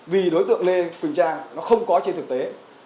vì đối tượng lê quỳnh trang nó không có trên thực tế